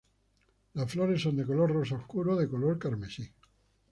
Las flores son de color rosa oscuro o de color carmesí.